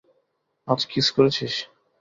আজ কিস করেছিস?